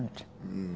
うん。